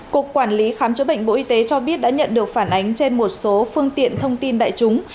cục quản lý khám chữa bệnh bộ y tế cho biết đã nhận được phản ánh trên một số phương tiện thông tin đại chúng